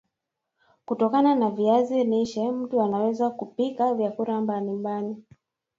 kutokana na viazi lishe mtu anaweza kupika vyakula mbali mbali